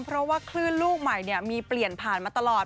เพราะว่าคลื่นลูกใหม่มีเปลี่ยนผ่านมาตลอด